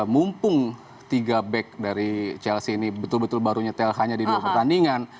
mumpung tiga back dari chelsea ini betul betul baru nyetel hanya di dua pertandingan